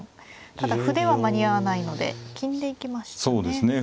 ただ歩では間に合わないので金で行きましたね。